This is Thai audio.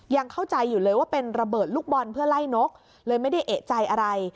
ยังเข้าใจอยู่เลยว่าเป็นระเบิดลูกบอลเพื่อไล่นกเลยไม่ได้เอกใจอะไร